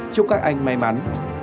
chúc các anh may mắn